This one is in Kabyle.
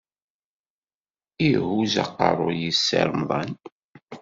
Ihuzz aqeṛṛuy-is Si Remḍan.